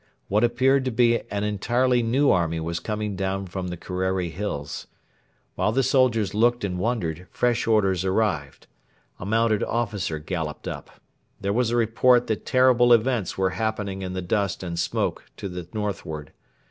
What appeared to be an entirely new army was coming down from the Kerreri Hills. While the soldiers looked and wondered, fresh orders arrived. A mounted officer galloped up. There was a report that terrible events were happening in the dust and smoke to the northward.